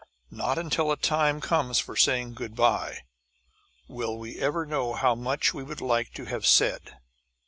Not until a time comes for saying good bye will we ever know how much we would like to have said.